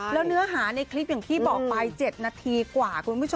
แล้วเนื้อหาในคลิปอย่างที่บอกไป๗นาทีกว่าคุณผู้ชม